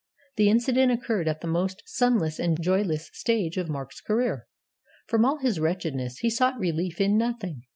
The incident occurred at the most sunless and joyless stage of Mark's career. From all his wretchedness he sought relief in Nothing.